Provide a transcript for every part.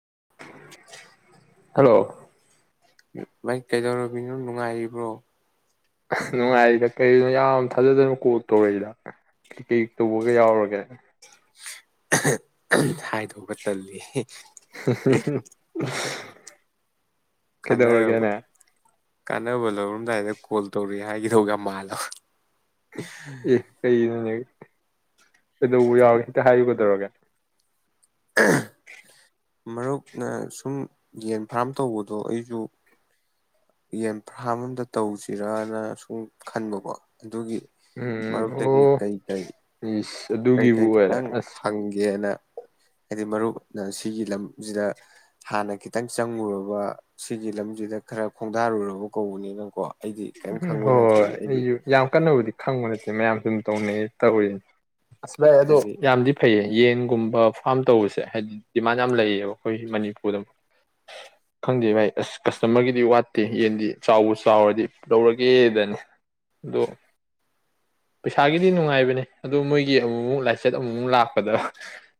[unintelligible] hello ꯃ ꯀꯩꯗꯧꯔꯕꯤꯅꯣ ꯅꯨꯡꯉꯥꯏꯔꯤꯕ꯭ꯔꯣ ꯅꯨꯡꯉꯥꯏꯔꯤꯗ ꯀꯩꯅꯣ ꯌꯥꯝ ꯊꯥꯖꯗꯅꯣ ꯀꯣꯛ ꯇꯧꯔꯛꯏꯗ ꯀ ꯀꯩ ꯇꯧꯕꯒ ꯌꯥꯎꯔꯒꯦ ꯍꯥꯏ ꯧꯕ ꯇꯜꯂꯤ ꯀꯩꯅ ꯀꯩꯗꯧꯔꯒꯦꯅꯦ ꯀꯥꯟꯅꯕ ꯂꯧꯔꯝꯗꯥꯏꯗ ꯀꯣꯜ ꯇꯧꯔꯦ ꯍꯥꯏꯈꯤꯗꯒ ꯃꯥꯜꯂꯣ ꯑꯦ ꯀꯩ ꯅꯅꯦ ꯀꯩꯗꯧꯕ ꯌꯥꯎꯔꯦ ꯈꯤꯇ ꯍꯥꯏꯌꯨꯒꯗꯧꯔꯒꯦ [unintelligible] ꯃꯔꯨꯞꯅ ꯁꯨꯝ ꯌꯦꯟ ꯐꯥꯔꯝ ꯇꯧꯕꯗꯣ ꯑꯩꯁꯨ ꯌꯦꯟ ꯐ꯭ꯔꯥꯝ ꯑꯝꯇ ꯇꯧꯁꯤꯔꯅ ꯁꯨꯝ ꯈꯟꯕꯀꯣ ꯑꯗꯨꯒꯤ ꯎꯝ ꯃꯔꯨꯞꯛꯇꯒꯤ ꯑꯣ ꯀꯩ ꯀꯩ ꯏꯁ ꯑꯗꯨꯒꯤꯕꯨ ꯑꯣꯏꯔꯦ ꯑꯁ ꯁꯦꯅ ꯍꯥꯏꯗꯤ ꯃꯔꯨꯞꯅ ꯁꯤꯒꯤ ꯂꯝꯁꯤꯗ ꯍꯥꯟꯅ ꯈꯤꯇꯪ ꯆꯪꯉꯨꯔꯕ ꯁꯤꯒꯤ ꯂꯝꯁꯤꯗ ꯈꯔ ꯈꯣꯡꯗꯥꯔꯨꯔꯕ ꯀꯧꯕꯅꯤꯅꯀꯣ ꯑꯩꯗꯤ ꯀꯔꯤꯝ ꯈꯪꯕ ꯅꯠꯇ꯭ꯔꯤ ꯍꯣꯏ ꯑꯩꯗꯤ ꯌꯥꯝ ꯀꯟꯅꯕꯨꯗꯤ ꯈꯪꯕ ꯅꯠꯇꯦ ꯃꯌꯥꯝꯁꯨ ꯑꯗꯨꯝ ꯇꯧꯅꯩ ꯇꯧꯔꯤꯅꯤ ꯑꯁ ꯚꯥꯏ ꯑꯗꯣ ꯍꯥꯏꯗꯤ ꯌꯥꯝꯗꯤ ꯐꯩꯌꯦ ꯌꯦꯟ ꯒꯨꯝꯕ ꯐꯥꯝ ꯇꯧꯕꯁꯦ ꯍꯥꯏꯗꯤ ꯗꯤꯃꯥꯟ ꯌꯥꯝ ꯂꯩꯌꯦꯕ ꯑꯩꯈꯣꯏ ꯃꯅꯤꯄꯨꯔꯗ ꯈꯪꯗꯦ ꯚꯥꯏ ꯑꯁ ꯀꯁꯇꯃꯔꯒꯤꯗꯤ ꯋꯥꯠꯇꯦ ꯌꯦꯟꯗꯤ ꯆꯥꯎꯕ ꯆꯥꯎꯔꯗꯤ ꯂꯧꯔꯒꯦꯗꯅꯤ ꯑꯗꯣ ꯄꯩꯁꯥꯒꯤꯗꯤ ꯅꯨꯡꯉꯥꯏꯕꯅꯦ ꯑꯗꯨꯗ ꯃꯣꯏꯒꯤ ꯑꯃꯨꯛꯃꯨꯛ ꯂꯥꯏꯆꯠ ꯑꯃꯨꯃꯨꯛ ꯂꯥꯛꯄꯗ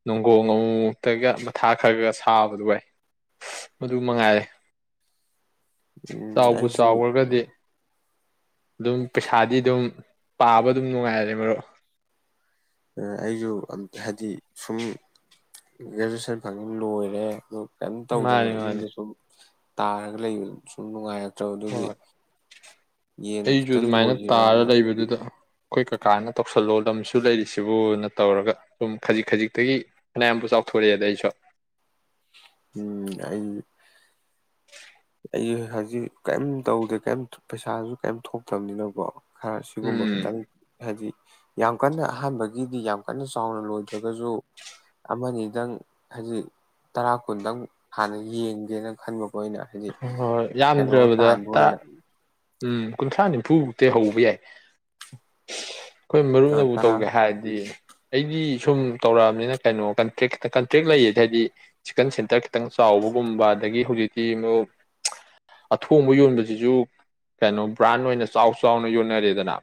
ꯅꯅꯨꯡꯒꯣꯡ ꯑꯃꯨꯃꯨꯛꯇꯒ ꯃꯊꯥ ꯈꯔ ꯈ ꯁꯥꯕꯗꯨ ꯋꯥꯏ ꯃꯗꯨ ꯃꯉꯥꯏꯔꯦ ꯎꯝ ꯆꯥꯎꯕꯨ ꯑꯩꯁꯨ ꯆꯥꯎꯈ꯭ꯔꯒꯗꯤ ꯑꯗꯨꯝ ꯄꯩꯁꯥꯗꯤ ꯑꯗꯨꯝ ꯄꯥꯕ ꯑꯗꯨꯝ ꯅꯨꯡꯉꯥꯏꯔꯔꯦ ꯃꯔꯨꯞ ꯑꯩꯁꯨ ꯑꯝ ꯍꯥꯏꯗꯤ ꯁꯨꯝ ꯒ꯭ꯔꯦꯖꯨꯌꯦꯦꯁꯟ ꯐꯪꯉꯤ ꯂꯣꯏꯔꯦ ꯑꯗꯨ ꯀꯝ ꯇꯧꯗꯅ ꯃꯥꯅꯤ ꯃꯥꯅꯤ ꯌꯨꯝꯗ ꯁꯨꯝ ꯇꯥꯔꯒ ꯂꯩꯕ ꯑꯗꯨ ꯁꯨꯝ ꯅꯨꯡꯉꯥꯏꯔ ꯍꯣꯏ ꯌꯦꯟ ꯑꯩꯁꯨ ꯈꯤꯇ ꯑꯗꯨꯃꯥꯏꯅ ꯇꯥꯔ ꯂꯣꯏꯁꯤꯔꯅ ꯂꯩꯕꯗꯨꯗ ꯑꯩꯈꯣꯏ ꯀꯀꯥꯅ ꯇꯧꯁꯜꯂꯣ ꯂꯝꯁꯨ ꯂꯩꯔꯤꯁꯤꯕꯨꯅ ꯇꯧꯔꯒ ꯑꯗꯨꯝ ꯈꯖꯤꯛ ꯈꯖꯤꯛꯇꯒꯤ ꯐꯅꯌꯥꯝꯕꯨ ꯆꯥꯎꯊꯣꯔꯛꯑꯦꯗ ꯑꯩꯁꯨ ꯎꯝ ꯑꯩ ꯑꯩ ꯍꯧꯖꯤꯛ ꯀꯔꯤꯝ ꯇꯧꯗꯦ ꯀꯩꯝ ꯄꯩꯁꯥꯁꯨ ꯀꯩꯝ ꯊꯣꯛꯇꯕꯅꯤꯅꯀꯣ ꯈꯔ ꯁꯤꯒꯨꯝꯕ ꯎꯝ ꯈꯤꯇꯪ ꯍꯥꯏꯗꯤ ꯌꯥꯝ ꯀꯟꯅ ꯑꯍꯥꯟꯕꯒꯤꯗꯤ ꯌꯥꯝ ꯀꯟꯅ ꯆꯥꯎꯅ ꯂꯣꯏꯗ꯭ꯔꯒꯁꯨ ꯑꯃꯅꯤꯗꯪ ꯍꯥꯏꯖꯤꯛ ꯇꯔꯥ ꯀꯨꯟꯗꯪ ꯍꯥꯟꯅ ꯌꯦꯡꯒꯦꯅ ꯈꯟꯕ ꯑꯣꯏꯅ ꯍꯣꯏ ꯌꯥꯝꯗ꯭ꯔꯕꯗ ꯑꯣꯏꯅ ꯎꯝ ꯀꯨꯟꯊ꯭ꯔꯥ ꯅꯤꯝꯐꯨꯃꯨꯛꯇꯤ ꯍꯧꯕ ꯌꯥꯏ ꯑꯩꯈꯣꯏ ꯃꯔꯨꯅꯕꯨ ꯇꯔꯥ ꯇꯧꯒꯦ ꯍꯥꯏꯔꯗꯤ ꯑꯩꯗꯤ ꯁꯨꯝ ꯇꯧꯔꯛꯑꯕꯅꯤꯅ ꯀꯩꯅꯣ ꯀꯟꯇ꯭ꯔꯦꯛꯈꯤ ꯀꯟꯇ꯭ꯔꯦꯛ ꯂꯩꯌꯦꯗꯤ ꯍꯥꯏꯗꯤ ꯆꯤꯛꯀꯟ ꯁꯦꯟꯇꯔ ꯈꯤꯇꯪ ꯆꯥꯎꯕꯒꯨꯝꯕ ꯑꯗꯒꯤ ꯍꯧꯖꯤꯛ ꯑꯃꯨꯛ ꯑꯊꯣꯡꯕ ꯌꯣꯟꯕꯁꯤꯁꯨ ꯀꯩꯅꯣ ꯕ꯭ꯔꯥꯟ ꯑꯣꯏꯅ ꯆꯥꯎ ꯆꯥꯎꯅ ꯌꯣꯟꯅꯔꯦꯗꯅ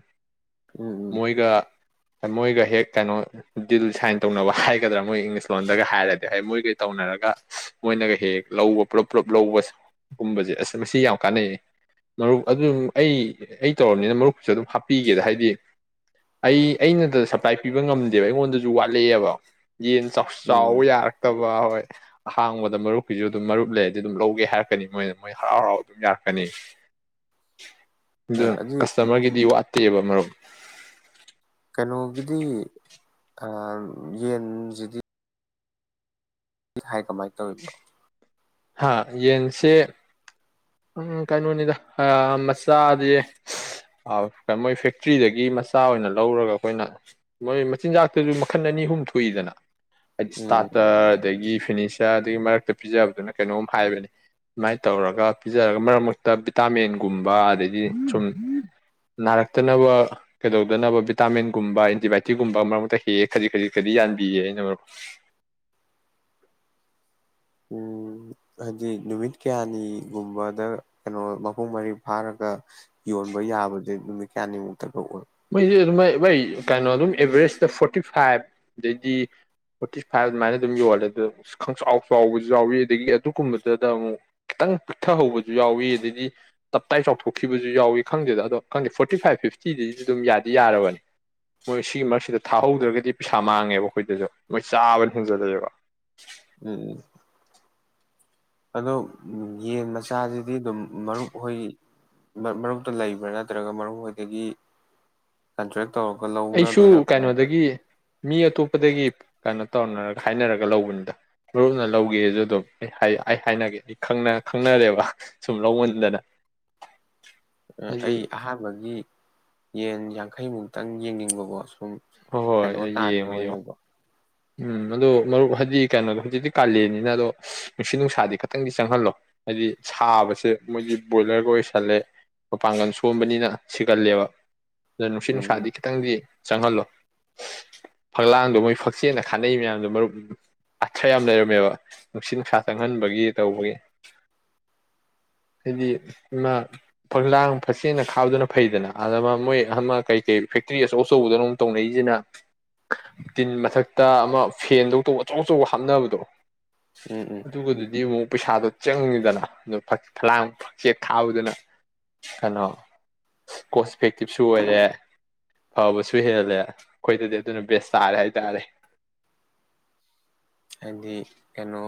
ꯎꯝ ꯎꯝ ꯃꯣꯏꯒ ꯃꯣꯏꯒ ꯍꯦꯛ ꯀꯩꯅꯣ ꯗꯤꯜ ꯁꯥꯏꯟ ꯇꯧꯅꯕ ꯍꯥꯏꯒꯗ꯭ꯔꯥ ꯃꯣꯏ ꯏꯪꯂꯤꯁ ꯂꯣꯟꯗꯒ ꯍꯥꯏꯔꯗꯤ ꯍ ꯃꯣꯏꯒ ꯇꯧꯅꯔꯒ ꯃꯣꯏꯅꯒ ꯍꯦꯛ ꯂꯧꯕ ꯄꯨꯂꯞ ꯂꯧꯕꯒꯨꯝꯕꯁꯦ ꯑꯁ ꯃꯁꯤ ꯌꯥꯝ ꯀꯥꯟꯅꯩ ꯃꯔꯨꯞ ꯑꯗꯨ ꯑꯩ ꯑꯩ ꯇꯧꯝꯅꯤꯅ ꯃꯔꯨꯞꯁꯨ ꯑꯗꯨꯝ ꯍꯥꯞꯄꯤꯒꯦꯗ ꯍꯥꯏꯗꯤ ꯑꯩ ꯑꯩꯅꯗ ꯁꯞꯄ꯭ꯂꯥꯏ ꯄꯤꯕ ꯉꯝꯗꯦꯕ ꯑꯩꯉꯣꯟꯗꯁꯨ ꯋꯥꯠꯂꯛꯑꯦꯕ ꯌꯦꯟ ꯎꯝ ꯆꯥꯎꯕ ꯌꯥꯔꯛꯇꯕ ꯍꯣꯏ ꯍꯥꯡꯕꯗ ꯃꯔꯨꯞꯀꯤꯁꯨ ꯑꯗꯨꯝ ꯃꯔꯨꯞ ꯂꯩ ꯑꯗꯨꯝ ꯂꯧꯒꯦ ꯍꯥꯏꯔꯛꯀꯅꯤ ꯃꯣꯏꯅ ꯃꯣꯏ ꯍꯔꯥꯎ ꯍꯔꯥꯎ ꯑꯗꯨꯝ ꯌꯥꯔꯛꯀꯅꯤ ꯑꯗꯨ ꯀꯁꯇꯃꯔꯒꯤꯗꯤ ꯋꯥꯠꯇꯦꯕ ꯃꯔꯨꯞ ꯀꯩꯅꯣꯒꯤꯗꯤ ꯌꯦꯟꯁꯤꯗꯤ ꯍꯥꯏ ꯀꯃꯥꯏꯅ ꯇꯧꯔꯤꯕꯅꯣ ꯍꯥ ꯌꯦꯟꯁꯦ ꯀꯩꯅꯣꯅꯤꯗ ꯃꯆꯥꯗꯤ ꯃꯣꯏ ꯐꯦꯛꯇ꯭ꯔꯤꯗꯒꯤ ꯃꯆꯥ ꯑꯣꯏꯅ ꯂꯧꯔꯒ ꯑꯩꯈꯣꯏꯅ ꯃꯣꯏ ꯃꯆꯤꯟꯖꯥꯛꯇꯁꯨ ꯃꯈꯜ ꯑꯅꯤ ꯑꯍꯨꯝ ꯊꯣꯛꯏꯗꯅ ꯍꯥꯏꯗꯤ ꯎꯝ ꯏꯁꯇꯥꯔꯇꯔ ꯑꯗꯒꯤ ꯐꯤꯅꯤꯁꯤꯡ ꯆꯆꯥꯒꯤ ꯃꯔꯛꯇ ꯄꯤꯖꯕꯗꯨꯅ ꯀꯩꯅꯣꯝ ꯍꯥꯏꯕꯅꯤ ꯁꯃꯥꯏꯅ ꯇꯧꯔꯒ ꯄꯤꯖꯔꯒ ꯃꯔꯛ ꯃꯔꯛꯇ ꯚꯤꯇꯥꯃꯤꯟꯒꯨꯝꯕ ꯑꯗꯩꯗꯤ ꯁꯨꯝ ꯅꯥꯔꯛꯇꯅꯕ ꯀꯩꯗꯧꯗꯅꯕ ꯚꯤꯇꯥꯃꯤꯟꯒꯨꯝꯕ ꯑꯦꯟꯇꯤꯕꯥꯏꯌꯑꯣꯇꯤꯛꯀꯨꯝꯕ ꯃꯔꯛ ꯃꯔꯛꯇ ꯍꯦꯛꯑꯦ ꯈꯖꯤꯛ ꯈꯖꯤꯛ ꯈꯗꯤ ꯌꯥꯟꯕꯤꯌꯦ ꯑꯩꯅ ꯃꯔꯨꯞ ꯎꯝ ꯍꯥꯏꯗꯤ ꯅꯨꯃꯤꯠ ꯀꯌꯥꯅꯤꯒꯨꯝꯕꯗ ꯀꯩꯅꯣ ꯃꯄꯨꯡ ꯃꯔꯔꯤ ꯐꯥꯔꯒ ꯌꯣꯟꯕ ꯌꯥꯕꯁꯦ ꯅꯨꯃꯤꯠ ꯀꯌꯥꯅꯤꯃꯨꯛꯇꯒ ꯑꯣꯏ ꯃꯣꯏꯁꯦ ꯑꯗꯨꯃꯥꯏ ꯍꯩ ꯀꯩꯅꯣ ꯑꯗꯨꯝ ꯑꯦꯚꯔꯦꯁꯇ ꯐꯣꯔꯇꯤ ꯐꯥꯏꯚ ꯑꯗꯩꯗꯤ ꯐꯣꯔꯇꯤ ꯐꯥꯏꯚ ꯑꯗꯨꯃꯥꯏꯅ ꯑꯗꯨꯝ ꯌꯣꯜꯂꯦ ꯑꯗꯣ ꯈꯪꯆ ꯆꯥꯎꯕꯁꯨ ꯌꯥꯎꯋꯤ ꯑꯗꯒꯤ ꯑꯗꯨꯒꯨꯝꯕꯗꯨꯗ ꯑꯃꯨꯛ ꯈꯤꯇꯪ ꯄꯤꯛꯊꯍꯧꯕꯁꯨ ꯌꯥꯎꯏꯤ ꯑꯗꯩꯗꯤ ꯇꯞꯇꯥꯏ ꯆꯥꯎꯊꯣꯛꯈꯤꯕꯁꯨ ꯌꯥꯎꯏꯤ ꯈꯪꯗꯦꯗ ꯑꯗꯣ ꯈꯪꯗꯦ ꯐꯣꯔꯇꯤ ꯐꯥꯏꯚ ꯐꯤꯐꯇꯤꯗꯩ ꯁꯤ ꯑꯗꯨꯝ ꯌꯥꯗꯤ ꯌꯥꯔꯕꯅꯤ ꯃꯣꯏ ꯁꯤꯒꯤ ꯃꯔꯛꯁꯤꯗ ꯊꯥꯍꯧꯗ꯭ꯔꯒꯗꯤ ꯄꯩꯁꯥ ꯃꯥꯡꯉꯦꯕ ꯑꯩꯈꯣꯏꯗꯁꯨ ꯃꯣꯏ ꯆꯥꯕꯅ ꯍꯦꯟꯖꯜꯂꯑꯦꯕ ꯎꯝ ꯑꯗꯣ ꯌꯦꯟ ꯃꯆꯥꯁꯤꯗꯤ ꯑꯗꯨꯝ ꯃꯔꯨꯞ ꯍꯣꯏ ꯃꯔꯨꯞꯇ ꯂꯩꯕ꯭ꯔꯥ ꯅꯠꯇ꯭ꯔꯒ ꯃꯔꯨꯞ ꯍꯣꯏꯗꯒꯤ ꯀꯟꯇ꯭ꯔꯦꯛ ꯇꯧꯔꯒ ꯑꯩꯁꯨ ꯂꯧꯅꯗꯣꯏꯔꯥ ꯀꯃꯥꯏꯅ ꯇꯧꯋꯤ ꯀꯩꯅꯣꯗꯒꯤ ꯃꯤ ꯑ ꯑꯇꯣꯞꯄꯗꯒꯤ ꯀꯩꯅꯣ ꯇꯧꯅꯔꯒ ꯍꯥꯏꯅꯔꯒ ꯂꯧꯕꯅꯤꯗ ꯃꯔꯨꯞꯅ ꯂꯧꯒꯦꯁꯨ ꯑꯗꯨꯝ ꯑꯩ ꯍꯥꯏ ꯑꯩ ꯍꯥꯏꯅꯒꯦ ꯑꯩ ꯈꯪꯅ ꯈꯪꯅꯔꯦꯕ ꯁꯨꯝ ꯂꯧꯃꯟꯗꯅ ꯑ ꯍꯥꯏꯗꯤ ꯑꯩ ꯑꯍꯥꯟꯕꯒꯤ ꯌꯦꯟ ꯌꯥꯡꯈꯩ ꯃꯨꯛꯇꯪ ꯌꯦꯡꯅꯤꯡꯕꯀꯣ ꯁꯨꯝ ꯍꯣꯏ ꯀꯩꯅꯣ ꯍꯣꯏ ꯇꯥꯟꯕ ꯌꯦꯡꯉꯣ ꯌꯦꯡꯉꯣ ꯑꯣꯏꯅꯀꯣ ꯎꯝ ꯑꯗꯣ ꯃꯔꯨꯞ ꯍꯥꯏꯗꯤ ꯀꯩꯅꯣꯗꯣ ꯍꯧꯖꯤꯛꯇꯤ ꯀꯥꯂꯦꯟꯅꯤꯅ ꯑꯗꯣ ꯅꯨꯡꯁꯤꯠ ꯅꯨꯡꯁꯥꯗꯤ ꯈꯇꯪꯗꯤ ꯆꯪꯍꯜꯂꯣ ꯍꯥꯏꯗꯤ ꯁꯥꯕꯁꯦ ꯃꯣꯏꯗꯤ ꯕ꯭ꯔꯣꯏꯂꯔꯒ ꯑꯣꯏꯁꯜꯂꯦ ꯃꯄꯥꯡꯒꯜ ꯁꯣꯝꯕꯅꯤꯅ ꯁꯤꯒꯜꯂꯦꯕ ꯑꯗ ꯅꯨꯡꯁꯤꯠ ꯎꯝ ꯅꯨꯡꯁꯥꯗꯤ ꯈꯤꯇꯪꯗꯤ ꯆꯥꯡꯍꯜꯂꯣ ꯐꯛꯂꯥꯡꯗꯣ ꯃꯣꯏ ꯐꯛꯆꯦꯅ ꯈꯥꯅꯩ ꯃꯌꯥꯝꯗꯣ ꯃꯔꯨꯞ ꯑꯥꯊ꯭ꯔ ꯌꯥꯝ ꯂꯩꯔꯝꯃꯦꯕ ꯅꯨꯡꯁꯤꯠ ꯅꯨꯡꯁꯥ ꯆꯪꯍꯟꯕꯒꯤ ꯇꯧꯕꯒꯤ ꯍꯥꯏꯗꯤ ꯏꯃꯥ ꯐꯛꯂꯥꯡ ꯐꯛꯆꯦꯠꯅ ꯈꯥꯕꯗꯨꯅ ꯐꯩꯗꯅ ꯑꯗ ꯃꯣꯏ ꯑꯃꯥ ꯀꯩ ꯀꯩ ꯐꯦꯛꯇ꯭ꯔꯤ ꯑꯆꯧ ꯑꯆꯧꯕꯗꯅꯣ ꯇꯧꯅꯩꯖꯤꯅ ꯇꯤꯟ ꯃꯊꯛꯇ ꯑꯃ ꯐꯦꯟꯗꯧ ꯇꯧꯕ ꯑꯆꯧ ꯑꯆꯧꯕ ꯍꯥꯞꯅꯕꯗꯣ ꯎꯝ ꯎꯝ ꯑꯗꯨꯒꯗꯨꯗꯤ ꯑꯃꯨꯛ ꯄꯩꯁꯥꯗꯣ ꯆꯪꯉꯤꯗꯅ ꯑꯗꯨ ꯐꯛ ꯐꯂꯥꯡ ꯐꯛꯆꯦꯠ ꯈꯥꯕꯗꯅ ꯀꯩꯅꯣ ꯀꯣꯁ ꯏꯐꯦꯛꯇꯤꯞꯁꯨ ꯑꯣꯏꯔꯦ ꯐꯕꯁꯨ ꯍꯦꯜ ꯂꯦ ꯑꯩꯈꯣꯏꯗꯗꯤ ꯑꯗꯨꯅ ꯕꯦꯁ ꯇꯥꯔꯦ ꯍꯥꯏꯇꯥꯔꯦ ꯍꯥꯏꯗꯤ ꯀꯩꯅꯣ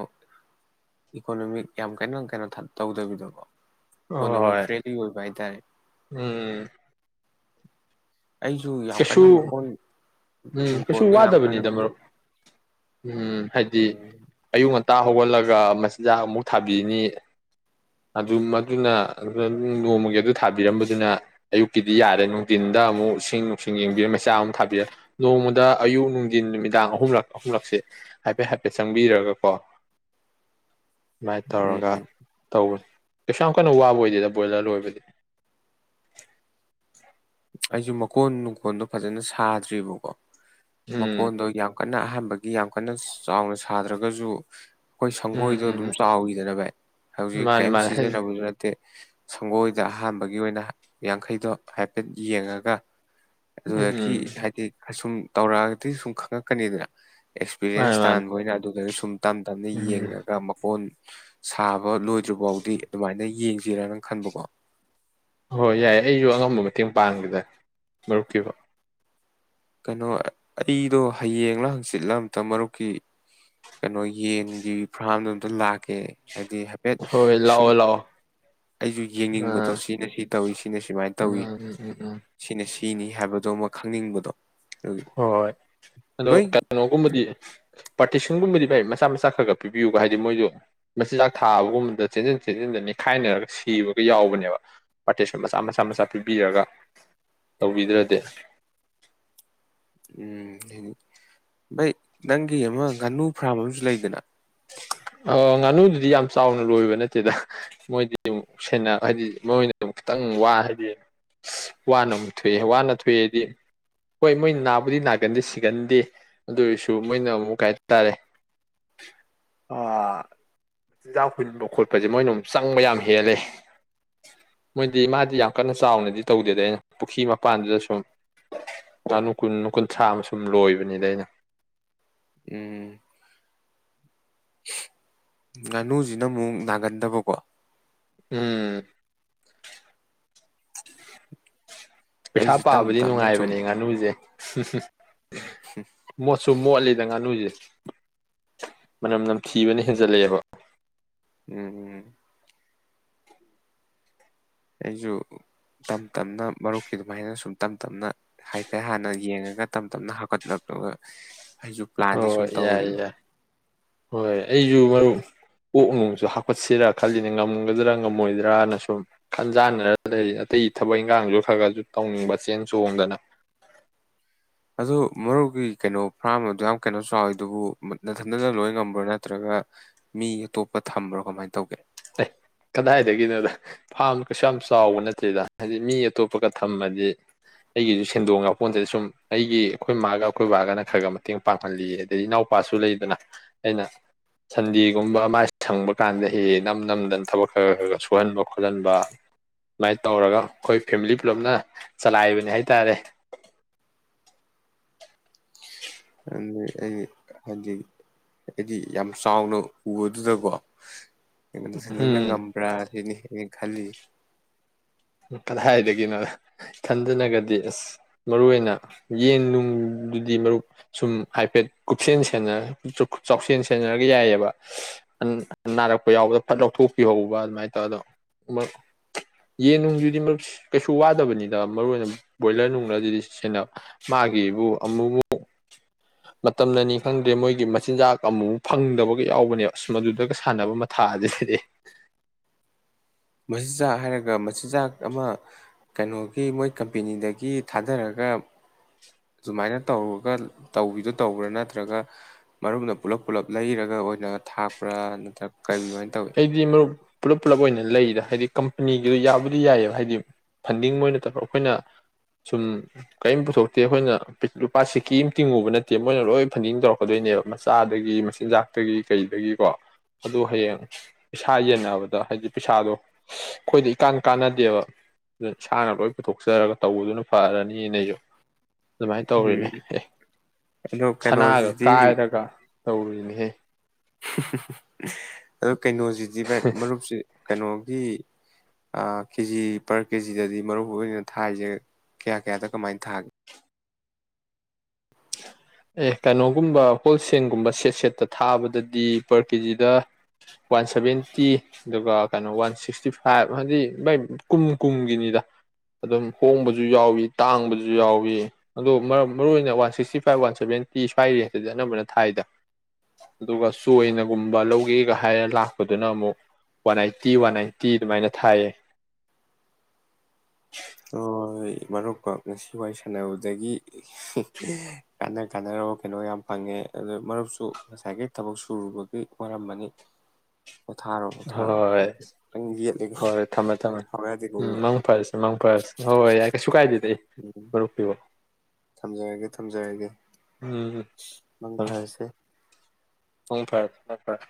ꯏꯀꯣꯅꯣꯃꯤꯛ ꯌꯥꯝ ꯀꯩꯅꯟ ꯀꯩꯅꯣ ꯊ ꯇꯧꯗꯕꯤꯗꯣꯀꯣ ꯍꯣꯏ ꯏꯀꯣꯅꯣꯃꯤ ꯍꯣꯏ ꯐ꯭ꯔꯦꯟꯂꯤ ꯑꯣꯏꯕ ꯍꯥꯏ ꯇꯥꯔꯦ ꯎꯝ ꯀꯩꯁꯨ ꯃꯀꯣꯟ ꯎꯝ ꯀꯩꯁꯨ ꯅꯨꯡꯀꯣꯟꯗꯣ ꯌꯥꯝ ꯀꯟꯅ ꯋꯥꯗꯕꯅꯤꯗ ꯀꯩꯁꯨ ꯃꯔꯨꯞ ꯎꯝ ꯍꯥꯏꯗꯤ ꯎꯝ ꯑꯌꯨꯛ ꯉꯟ ꯇꯥ ꯍꯧꯒꯠꯂꯒ ꯃꯆꯤꯟꯖꯥꯛ ꯑꯃꯨꯛ ꯊꯥꯕꯤꯅꯤ ꯑꯗꯨ ꯃꯗꯨꯅ ꯑꯗꯨꯅ ꯅꯣꯡꯃꯒꯤ ꯑꯗꯨ ꯊꯥꯕꯤꯔꯝꯕꯗꯨꯅ ꯑꯌꯨꯛꯀꯤꯗꯤ ꯌꯥꯔꯦ ꯅꯨꯡꯊꯤꯟꯗ ꯑꯃꯨꯛ ꯏꯁꯤꯡ ꯁꯨꯝ ꯌꯦꯡꯕꯤꯔ ꯃꯆꯥ ꯑꯃꯨꯛ ꯊꯥꯕꯤꯔ ꯅꯣꯡꯃꯗ ꯑꯌꯨꯛ ꯅꯨꯡꯊꯤꯟ ꯅꯨꯃꯤꯗꯥꯡ ꯑꯍꯨꯝꯂꯛ ꯑꯍꯨꯝꯂꯛꯁꯦ ꯍꯥꯏꯐꯦꯠ ꯍꯥꯏꯐꯦꯠ ꯆꯪꯕꯤꯔꯒꯀꯣ ꯁꯃꯥꯏ ꯎꯝ ꯇꯧꯔꯒ ꯇꯧꯕꯅꯤ ꯀꯩꯁꯨ ꯌꯥꯝ ꯀꯟꯅ ꯋꯥꯕ ꯑꯣꯏꯗꯦꯗ ꯕꯣꯏꯂꯔ ꯂꯣꯏꯕꯗꯤ ꯑꯩꯁꯨ ꯃꯀꯣꯟ ꯅꯨꯡꯀꯣꯟꯗꯣ ꯐꯖꯅ ꯁꯥꯗ꯭ꯔꯤꯕꯀꯣ ꯎꯝ ꯃꯀꯣꯟꯗꯣ ꯌꯥꯝ ꯀꯟꯅ ꯑꯍꯥꯟꯕꯒꯤ ꯌꯥꯝ ꯀꯟꯅ ꯆꯥꯎꯅ ꯁꯥꯗ꯭ꯔꯒꯁꯨ ꯑꯩꯈꯣꯏ ꯎꯝ ꯁꯪꯒꯣꯏꯗꯣ ꯎꯝ ꯑꯗꯨꯝ ꯆꯥꯎꯋꯤꯗꯅ ꯚꯥꯏ ꯍꯧꯖꯤꯛ ꯃꯥꯅꯤ ꯀꯔꯤꯝ ꯃꯥꯅꯤ ꯁꯤꯖꯤꯟꯅꯕꯖꯨ ꯅꯠꯇꯦ ꯁꯪꯒꯣꯏꯗ ꯑꯍꯥꯟꯕꯒꯤ ꯑꯣꯏꯅ ꯌꯥꯡꯈꯩꯗꯣ ꯍꯥꯏ ꯍꯥꯏꯐꯦꯠ ꯌꯦꯡꯉꯒ ꯑꯗꯨꯗꯀꯤ ꯎꯝ ꯍꯥꯏꯗꯤ ꯑꯁꯨꯝ ꯇꯧꯔꯛꯑꯒꯗꯤ ꯁꯨꯝ ꯈꯪꯉꯛꯀꯅꯤꯗꯅ ꯃꯥꯅꯤ ꯑꯦꯛꯁꯄꯤꯔꯤꯌꯦꯟꯁ ꯃꯥꯅꯤ ꯇꯥꯟꯕ ꯑꯣꯏꯅ ꯑꯗꯨꯗ ꯁꯨ ꯇꯝ ꯇꯝꯅ ꯎꯝ ꯌꯦꯡꯉꯒ ꯃꯀꯣꯟ ꯁꯥꯕ ꯂꯣꯏ ꯗ꯭ꯔꯤ ꯕꯥꯎꯗꯤ ꯑꯗꯨꯃꯥꯏꯅ ꯌꯦꯡ ꯖꯤꯔꯥ ꯅ ꯈꯟꯕꯀꯣ ꯍꯣꯏ ꯌꯥꯏ ꯑꯩꯁꯨ ꯑꯉꯝꯕ ꯃꯇꯦꯡ ꯄꯥꯡꯒꯦꯗ ꯃꯔꯨꯞꯀꯤꯕꯨ ꯀꯩꯅꯣ ꯑꯩꯗꯣ ꯍꯌꯦꯡ ꯍꯪꯆꯤꯠꯂ ꯑꯝꯇ ꯃꯔꯨꯞꯀꯤ ꯀꯩꯅꯣ ꯌꯦꯟꯒꯤ ꯐꯥꯔꯝꯗꯣ ꯑꯝꯇ ꯂꯥꯛꯀꯦ ꯍꯥꯏꯗꯤ ꯍꯥꯏꯐꯦꯠ ꯍꯣꯏ ꯁꯨꯝ ꯂꯥꯛꯑꯣ ꯂꯥꯛꯑꯣ ꯑꯩꯁꯨ ꯌꯦꯡꯅꯤꯡꯕꯗꯣ ꯑꯥ ꯁꯤꯅ ꯁꯤ ꯇꯧꯋꯤ ꯁꯤꯅ ꯁꯨꯃꯥꯏꯅ ꯎꯝ ꯇꯧꯏ ꯎꯝ ꯎꯝ ꯎꯝ ꯁꯤꯅ ꯁꯤꯅꯤ ꯍꯥꯏꯕ ꯑꯗꯣ ꯑꯃ ꯈꯪꯅꯤꯡꯕꯗꯣ ꯑꯗꯨꯒꯤ ꯍꯣꯏ ꯑꯗꯣ ꯅꯣꯏ ꯀꯩꯅꯣꯒꯨꯝꯕꯗꯤ ꯄꯥꯔꯇꯦꯁꯟꯒꯨꯝꯕꯗꯤ ꯚꯥꯏ ꯃꯆꯥ ꯃꯆꯥ ꯈꯔ ꯈꯔ ꯄꯤꯕꯤꯌꯨꯒ ꯍꯥꯏꯗꯤ ꯃꯣꯏꯁꯨ ꯃꯆꯤꯟꯖꯥꯛ ꯊꯥꯕꯒꯨꯝꯕꯗ ꯆꯦꯟꯁꯤꯟ ꯆꯦꯟꯁꯤꯟꯗꯅꯤꯈꯥꯏꯅꯔꯒ ꯁꯤꯕꯒ ꯌꯥꯎꯕꯅꯦꯕ ꯄꯥꯔꯇꯁꯟ ꯃꯆꯥ ꯃꯆꯥ ꯃꯆꯥ ꯄꯤꯕꯤꯔꯒ ꯇꯧꯕꯤꯗ꯭ꯔꯗꯤ ꯎꯝꯅꯤ ꯑꯩꯩ ꯅꯪꯒꯤ ꯑꯃ ꯉꯥꯅꯨ ꯐꯥꯝ ꯑꯃꯁꯨ ꯂꯩ ꯏꯗꯅ ꯉꯥꯅꯨꯗꯨꯗꯤ ꯌꯥꯝ ꯆꯥꯎꯅ ꯂꯣꯏꯕ ꯅꯠꯇꯦꯗ ꯃꯣꯏꯗꯤ ꯑꯃꯝ ꯁꯦꯟꯅ ꯍꯥꯏꯗꯤ ꯃꯣꯏꯅ ꯑꯗꯨꯝ ꯈꯤꯇꯪ ꯋꯥ ꯍꯥꯏꯗꯤ ꯋꯥꯅ ꯑꯃꯨꯛ ꯊꯣꯛꯑꯦ ꯋꯥꯅ ꯊꯣꯛꯑꯦ ꯍꯥꯏꯗꯤ ꯍꯣꯏ ꯃꯣꯏ ꯅꯥꯕꯨꯗꯤ ꯅꯥꯒꯟꯗꯤ ꯁꯤꯒꯟꯗꯦ ꯑꯗꯨꯔꯁꯨ ꯃꯣꯏꯅ ꯑꯃꯨꯛ ꯀꯩꯇꯥꯔꯦ ꯆꯤꯟꯖꯥꯛ ꯍꯨꯟꯕ ꯈꯣꯠꯄꯁꯦ ꯃꯣꯏꯅ ꯑꯃꯝ ꯆꯪꯕ ꯌꯥꯝ ꯍꯦꯜꯂꯦ ꯃꯣꯏꯗꯤ ꯃꯥꯗꯤ ꯌꯥꯝ ꯀꯟꯅ ꯆꯥꯎꯅꯗꯤ ꯇꯧꯗꯦꯗ ꯑꯩꯅ ꯄꯨꯈ꯭ꯔꯤ ꯃꯄꯥꯟꯗꯨꯗ ꯁꯨꯝ ꯉꯥꯅꯨ ꯀꯨꯟ ꯀꯨꯟꯊ꯭ꯔꯥ ꯑꯃ ꯁꯨꯝ ꯂꯣꯏꯕꯅꯤꯗ ꯑꯩꯅ ꯎꯝ ꯉꯥꯅꯨꯁꯤꯅ ꯑꯃꯨꯛ ꯅꯥꯒꯟꯗꯕꯀꯣ ꯎꯝ ꯄꯩꯊꯥ ꯑꯩꯁꯨ ꯇꯞ ꯄꯥꯕꯗꯤ ꯇꯞꯅ ꯁꯨꯝ ꯅꯨꯡꯉꯥꯏꯕꯅꯦ ꯉꯥꯅꯨꯁꯦ ꯁꯤꯁꯤꯦ ꯃꯣꯠꯁꯨ ꯃꯣꯠꯂꯤꯗ ꯉꯥꯅꯨꯁꯦ ꯃꯅꯝ ꯅꯝꯊꯤꯕꯅ ꯍꯦꯟꯖꯜꯂꯛꯑꯦꯕ ꯎꯝ ꯎꯝ ꯑꯩꯁꯨ ꯇꯞ ꯇꯞꯅ ꯃꯔꯨꯞꯀꯤ ꯑꯗꯨꯃꯥꯏꯅ ꯁꯨꯝ ꯇꯞ ꯇꯞꯅ ꯍꯥꯏꯐꯦꯠ ꯍꯥꯟꯅ ꯌꯦꯡꯉꯒ ꯇꯞ ꯇꯞꯅ ꯍꯥꯞꯀꯠꯅꯔꯒ ꯑꯩꯁꯨ ꯄ꯭ꯂꯥꯟꯗꯤ ꯁꯨꯝ ꯍꯣꯏ ꯌꯥꯏ ꯇꯧꯔꯤꯌꯦ ꯌꯥꯏ ꯍꯣꯏ ꯑꯩꯁꯨ ꯃꯔꯨꯞ ꯀꯛ ꯅꯨꯡꯁꯨ ꯍꯥꯞꯀꯠꯁꯤꯔꯥ ꯈꯜꯂꯤꯅꯦ ꯉꯝꯒꯗ꯭ꯔꯥ ꯉꯝꯃꯣꯏꯗ꯭ꯔꯅ ꯁꯨꯝ ꯈꯟꯖꯥꯟꯅꯔ ꯂꯩꯔꯤ ꯑꯇꯩ ꯊꯕꯛ ꯏꯪꯈꯥꯡꯁꯨ ꯈꯔ ꯈꯔꯁꯨ ꯇꯧꯅꯤꯡꯕ ꯆꯦꯟ ꯆꯣꯡꯗꯅ ꯑꯗꯨ ꯃꯔꯨꯞꯒꯤ ꯀꯩꯅꯣ ꯐꯥꯔꯝ ꯑꯗꯨ ꯌꯥꯝ ꯀꯩꯅꯣ ꯆꯥꯎꯋꯤ ꯑꯗꯨꯕꯨ ꯅꯊꯟꯗꯅ ꯂꯣꯏ ꯉꯝꯕ꯭ꯔꯥ ꯅꯠꯇ꯭ꯔꯒ ꯃꯤ ꯑꯇꯣꯞꯄ ꯊꯝꯕ꯭ꯔꯣ ꯀꯃꯥꯏꯅ ꯇꯧꯒꯦ ꯀꯗꯥꯏꯗꯒꯤꯅꯣꯗ ꯐꯥꯝ ꯀꯩꯁꯨ ꯌꯥꯝ ꯆꯥꯎꯕ ꯅꯠꯇꯦꯗ ꯍꯥꯏꯗꯤ ꯃꯤ ꯑꯇꯣꯞꯄꯒ ꯊꯝꯃꯗꯤ ꯑꯩꯒꯤꯁꯨ ꯁꯦꯟꯗꯣꯡ ꯥꯄꯣꯟꯁꯤꯗꯤ ꯁꯨꯝ ꯑꯩꯒꯤ ꯑꯩꯈꯣꯏ ꯏ ꯃꯥꯒ ꯑꯩꯈꯣꯏ ꯕꯥꯒꯅ ꯈꯔ ꯈ ꯃꯇꯦꯡ ꯄꯥꯡꯍꯜꯂꯤ ꯑꯗꯩ ꯏꯅꯥꯎꯄꯥꯁꯨ ꯂꯩꯗꯅ ꯑꯩꯅ ꯁꯟꯗꯦꯒꯨꯝꯕ ꯃꯥ ꯁꯪꯕ ꯀꯥꯟꯗ ꯍ ꯅꯝ ꯅꯝꯗꯅ ꯊꯕꯛ ꯈꯔ ꯈꯔ ꯈꯔ ꯁꯨꯍꯟꯕ ꯈꯣꯠꯍꯟꯕ ꯁꯨꯃꯥꯏꯅ ꯇꯧꯔꯒ ꯑꯩꯈꯣꯏ ꯐꯦꯃꯤꯂꯤ ꯄꯨꯂꯞꯅ ꯆꯂꯥꯏꯕꯅꯤ ꯍꯥꯏꯇꯥꯔꯦ ꯑꯗꯨ ꯑꯩ ꯍꯥꯏꯗꯤ ꯑꯩꯗꯤ ꯌꯥꯝ ꯆꯥꯎꯅ ꯎꯕꯗꯨꯗꯀꯣ ꯀꯩꯅꯣꯗ ꯁꯤꯟꯖꯟꯅ ꯎꯝ ꯉꯝꯕ꯭ꯔꯥ ꯁꯤꯅꯤ ꯈꯜꯂꯤ ꯀꯗꯥꯏꯗꯒꯤꯅꯣ ꯏ ꯊꯟꯗꯅꯒꯗꯤ ꯑꯁ ꯃꯔꯨ ꯑꯣꯏꯅ ꯌꯦꯟ ꯅꯨꯡꯗꯨꯗꯤ ꯃꯔꯨꯞ ꯁꯨꯝ ꯍꯥꯏꯐꯦꯠ ꯀꯨꯞꯁꯦꯟ ꯆꯥꯎꯁꯦꯟ ꯁꯦꯟꯅꯔꯒ ꯌꯥꯏꯑꯕ ꯅꯥꯔꯛꯄ ꯌꯥꯎꯕꯗ ꯐꯠ ꯂꯧꯊꯣꯛꯄꯤꯍꯧꯕ ꯑꯗꯨꯃꯥꯏꯅ ꯇꯧꯔꯗꯣ ꯌꯦꯟ ꯅꯨꯡꯗꯨꯗꯤ ꯀꯩꯁꯨ ꯋꯥꯗꯕꯅꯤꯗ ꯃꯔꯨ ꯑꯣꯏꯅ ꯕꯣꯏꯂꯔ ꯅꯨꯡꯅꯁꯤꯗꯤ ꯁꯦꯟꯅ ꯃꯥꯒꯤꯕꯨ ꯑꯃꯨꯛꯃꯨꯛ ꯃꯇꯝꯅꯅꯤ ꯈꯪꯗ꯭ꯔꯦ ꯃꯣꯏꯒꯤ ꯃꯆꯤꯟꯖꯥꯛ ꯑꯃꯨꯃꯨꯛ ꯐꯪꯗꯕꯒ ꯌꯥꯎꯕꯅꯦꯕ ꯑꯁ ꯃꯗꯨꯗꯒ ꯁꯥꯟꯅꯕ ꯃꯊꯥ ꯑꯁꯤꯗꯗꯤ ꯃꯖꯥ ꯍꯥꯏꯔꯒ ꯆꯤꯟꯖꯥꯛ ꯑꯃ ꯀꯩꯅꯣꯒꯤ ꯃꯣꯏ ꯀꯝꯄꯦꯅꯤꯗꯒꯤ ꯊꯥꯗꯔꯒ ꯁꯨꯃꯥꯏꯅ ꯇꯧꯔꯒ ꯇꯧꯕꯤꯗꯨꯣ ꯇꯧꯕ꯭ꯔꯥ ꯅꯠꯇ꯭ꯔꯒ ꯃꯔꯨꯞꯅ ꯄꯨꯂꯞ ꯄꯨꯜꯂꯞ ꯂꯩꯔꯒ ꯑꯣꯏꯅ ꯊꯥꯛꯄ꯭ꯔꯥ ꯅꯠꯇ꯭ꯔꯒ ꯀꯃꯥꯏꯅ ꯑꯁ ꯇꯧꯏ ꯑꯩꯗꯤ ꯃꯔꯨꯞ ꯄꯨꯜꯂꯞ ꯄꯨꯜꯂꯞ ꯑꯣꯏꯅ ꯂꯩꯗ ꯍꯥꯏꯗꯤ ꯀꯝꯄꯅꯤꯒꯤꯗꯣ ꯌꯥꯕꯨꯗꯤ ꯌꯥꯏꯑꯕ ꯍꯥꯏꯗꯤ ꯐꯟꯗꯤꯡ ꯃꯣꯏꯅꯠꯇꯧ ꯑꯩꯈꯣꯏꯅ ꯁꯨꯝ ꯀꯔꯤꯝ ꯄꯨꯊꯣꯛꯇꯦ ꯑꯩꯈꯣꯏꯅ ꯂꯨꯄꯥ ꯁꯤꯦꯀꯤ ꯑꯃ ꯇꯤꯡꯉꯨꯕ ꯅꯠꯇꯦ ꯃꯣꯏꯅ ꯂꯣꯏ ꯐꯟꯗꯤꯡ ꯇꯧꯔꯛꯀꯗꯣꯏꯅꯦꯕ ꯃꯆꯥꯗꯒꯤ ꯃꯆꯤꯟꯖꯥꯛꯇꯒꯤ ꯀꯩꯗꯒꯤꯀꯣ ꯑꯗꯨ ꯍꯌꯦꯡ ꯄꯩꯥ ꯌꯦꯟꯅꯕꯗ ꯍꯥꯏꯗꯤ ꯄꯩꯁꯥꯗꯣ ꯑꯩꯈꯣꯏꯗ ꯏꯀꯥꯟ ꯀꯥꯟꯅꯗꯦꯕ ꯑꯗꯨ ꯏꯁꯥꯅ ꯂꯣꯏ ꯄꯨꯊꯣꯛꯆꯔꯒ ꯇꯧꯕꯗꯨꯅ ꯐꯔꯅꯤꯅ ꯑꯩꯁꯨ ꯑꯗꯨꯃꯥꯏꯅ ꯇꯧꯔꯤꯅꯦ ꯎꯝ ꯑꯦ ꯑꯗꯣ ꯁꯅꯥꯒ ꯀꯩꯅꯣꯁꯤꯗꯤ ꯀꯥꯏꯔꯒ ꯇꯧꯔꯤꯅꯦꯍꯦ ꯑ ꯀꯩꯅꯣꯁꯤꯗꯤ ꯚꯥꯏ ꯃꯔꯨꯞꯁꯤ ꯀꯩꯅꯣꯒꯤ ꯀꯦꯖꯤ ꯄꯔ ꯀꯦꯖꯤꯗꯗꯤ ꯃꯔꯨ ꯑꯣꯏꯅ ꯊꯥꯔꯤꯁꯦ ꯀꯌꯥ ꯀꯌꯥꯗ ꯀꯃꯥꯏꯅ ꯊꯥꯒꯦ ꯑꯦ ꯀꯩꯅꯣꯒꯨꯝꯕ ꯍꯣꯜꯁꯦꯜꯒꯨꯝꯕ ꯁꯦꯠ ꯁꯦꯠꯇ ꯊꯥꯕꯗꯗꯤ ꯄꯔ ꯀꯦꯖꯤꯗ ꯋꯥꯟ ꯁꯚꯦꯟꯇꯤ ꯑꯗꯨꯒ ꯀꯩꯅꯣ ꯋꯥꯟ ꯁꯤꯛꯁꯇꯤ ꯐꯥꯏꯚ ꯍꯥꯏꯗꯤ ꯃꯥꯏ ꯀꯨꯝ ꯀꯨꯝꯒꯤꯅꯤꯗ ꯑꯗꯨꯝ ꯍꯣꯡꯕꯁꯨ ꯌꯥꯎꯏ ꯇꯥꯡꯕꯁꯨ ꯌꯥꯎꯏ ꯑꯗꯣ ꯃꯔꯨ ꯑꯣꯏꯅ one sixty five five one seventy ꯁ꯭ꯋꯥꯏ ꯔ ꯑꯗꯨꯗꯤ ꯑꯅꯝꯕꯅ ꯊꯥꯏꯗ ꯑꯗꯨꯒ ꯆꯣꯏꯅꯒꯨꯝꯕ ꯂꯧꯒꯦꯒ ꯍꯥꯏꯔ ꯂꯥꯛꯄꯗꯨꯅ ꯑꯃꯨꯛ ꯋꯥꯟ ꯑꯥꯏꯠꯇꯤ ꯋꯥꯟ ꯅꯥꯏꯟꯇꯤ ꯑꯗꯨꯃꯥꯏꯅ ꯊꯥꯏꯌꯦ ꯍꯣꯏ ꯃꯔꯨꯞꯀ ꯉꯁꯤ ꯋꯥꯔꯤ ꯁꯥꯟꯅꯕꯗꯒꯤ ꯀꯥꯟꯅ ꯀꯥꯟꯅꯔꯕ ꯀꯩꯅꯣ ꯌꯥꯝ ꯐꯪꯉꯦ ꯑꯗꯨ ꯃꯔꯨꯞꯁꯨ ꯉꯁꯥꯏꯒꯤ ꯊꯕꯛ ꯁꯨꯔꯨꯕꯒꯤ ꯋꯥꯝ ꯑꯅꯤ ꯍꯣꯏ ꯌꯦꯠꯂꯤꯀꯣ ꯍꯣꯏ ꯊꯝꯃꯦ ꯊꯝꯃꯦ ꯁꯥꯎ ꯌꯥꯗꯦꯀꯣ ꯎꯝ ꯃꯔꯨꯞ ꯃꯪ ꯐꯔꯁꯦ ꯃꯪ ꯐꯔꯁꯦ ꯍꯣꯏ ꯌꯥ ꯀꯩꯁꯨ ꯀꯥꯏꯗꯦ ꯄꯤꯕ ꯊꯝꯖꯔꯒꯦ ꯊꯝꯖꯔꯒꯦ ꯎꯝꯃ ꯃꯪ ꯐꯔꯁꯦ ꯍꯣꯏ ꯐꯔꯦ ꯍ ꯐꯔꯦ